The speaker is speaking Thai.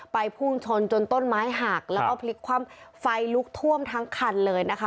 พุ่งชนจนต้นไม้หักแล้วก็พลิกคว่ำไฟลุกท่วมทั้งคันเลยนะคะ